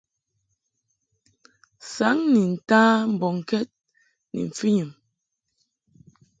Saŋ ni nta mbɔŋkɛd ni mfɨnyum.